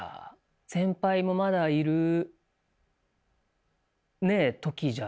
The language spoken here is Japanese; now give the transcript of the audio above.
先輩もまだいる時じゃなかったし。